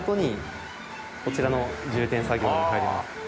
こちらの充填作業に入ります。